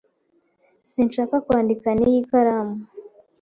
Sinshaka kwandika n'iyi karamu.